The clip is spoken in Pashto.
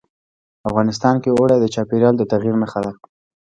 افغانستان کې اوړي د چاپېریال د تغیر نښه ده.